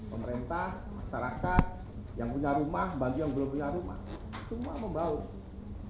pemerintah masyarakat yang punya rumah bagi yang belum punya rumah semua membaur